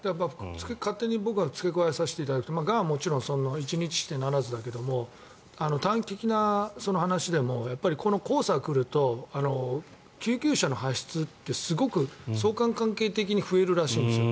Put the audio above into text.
勝手に僕がつけ加えさせていただくとがんはもちろん１日にして成らずだけども短期的な話でもこの黄砂が来ると救急車の発出ってすごく相関関係的に増えるらしいんですよ。